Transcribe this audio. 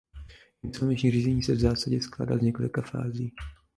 Insolvenční řízení se v zásadě skládá z několika fází.